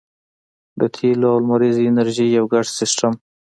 د تیلو او لمریزې انرژۍ یو ګډ سیستم